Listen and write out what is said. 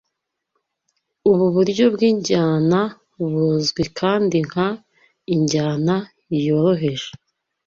Ubu buryo bw'injyana buzwi kandi nka “injyana yoroheje